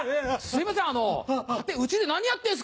すいません